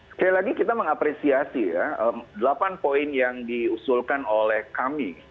sekali lagi kita mengapresiasi ya delapan poin yang diusulkan oleh kami